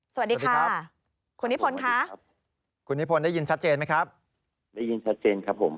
สวัสดีครับคุณนิพนธ์ค่ะครับคุณนิพนธ์ได้ยินชัดเจนไหมครับได้ยินชัดเจนครับผม